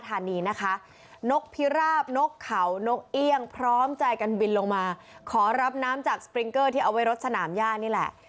ไอ้สปริงเกอร์ที่โบนลงมาขอรับน้ำจากตรงสนามย่านี้แหละ